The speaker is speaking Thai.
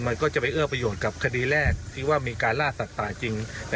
เมื่อเขาทำผิด